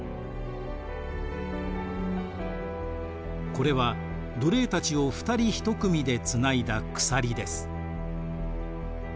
これは奴隷たちを２人１組でつないだ鎖です。